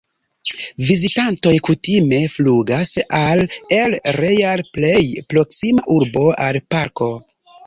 Vizitantoj kutime flugas al El Real, plej proksima urbo al la parko.